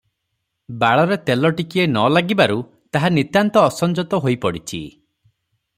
ବାଳରେ ତେଳ ଟିକିଏ ନ ଲାଗିବାରୁ ତାହା ନିତାନ୍ତ ଅସଂଯତ ହୋଇ ପଡ଼ିଚି ।